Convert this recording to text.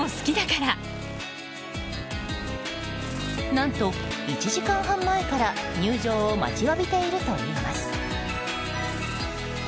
何と、１時間半前から入場を待ちわびているといいます。